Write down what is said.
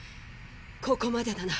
ここまでだな。